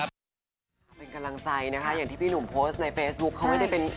เป็นกำลังใจนะคะอย่างที่พี่หนุ่มโพสต์ในเฟซบุ๊คเขาไม่ได้เป็น